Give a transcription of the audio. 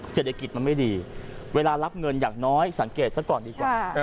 เศรษฐกิจมันไม่ดีเวลารับเงินอย่างน้อยสังเกตซะก่อนดีกว่า